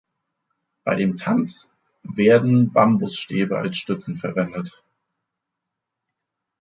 Bei dem Tanz werden Bambusstäbe als Stützen verwendet.